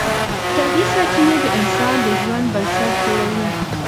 طبیعي سرچینې د انسان د ژوند بنسټ جوړوي